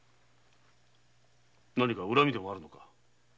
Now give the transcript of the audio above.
なにか恨みでもあるのか？